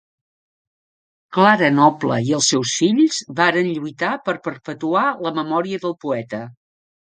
Clara Noble i els seus fills varen lluitar per perpetuar la memòria del poeta.